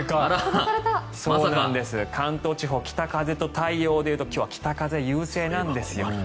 そうなんです関東地方、北風と太陽でいうと今日は北風優勢なんです。